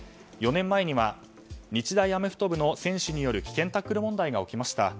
４年前には日大アメフト部の選手による危険タックル問題が起きました。